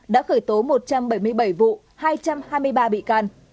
đã khởi tố một trăm bảy mươi bảy vụ hai trăm hai mươi ba bị can